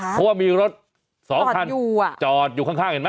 เพราะว่ามีรถ๒คันจอดอยู่ข้างเห็นไหม